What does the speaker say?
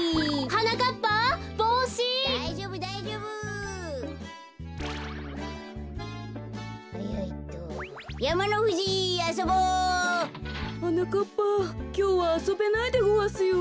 はなかっぱきょうはあそべないでごわすよ。